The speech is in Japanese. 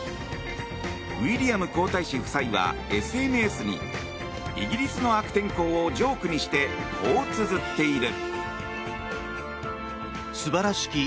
ウィリアム皇太子夫妻はＳＮＳにイギリスの悪天候をジョークにしてこうつづっている。